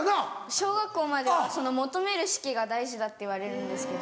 小学校まではその求める式が大事だって言われるんですけど。